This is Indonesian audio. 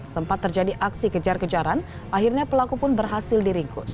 sempat terjadi aksi kejar kejaran akhirnya pelaku pun berhasil diringkus